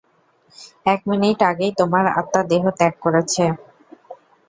এক মিনিট আগেই তোমার আত্মা দেহ ত্যাগ করেছে।